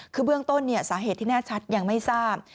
คือเบื้องต้นสาเหตุที่แน่ชัดยังไม่ทราบ